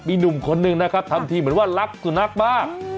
มีหนุ่มคนนึงนะครับทำทีเหมือนว่ารักสุนัขมาก